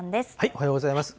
おはようございます。